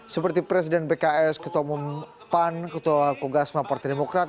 seperti presiden bks ketomun pan ketua kogasma partai demokrat